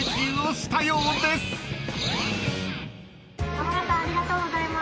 浜田さんありがとうございます！